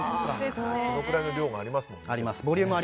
そのくらいの量がありますもんね。